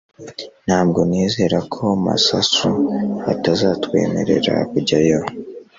Ntabwo nizera ko Masasu atazatwemerera kujyayo